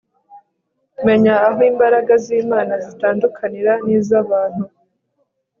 menya aho imbaraga zImana zitandukanira nizabantu